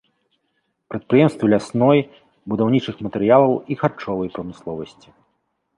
Прадпрыемствы лясной, будаўнічых матэрыялаў і харчовай прамысловасці.